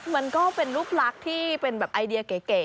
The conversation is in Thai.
มันก็เป็นรูปลักษณ์ที่เป็นแบบไอเดียเก๋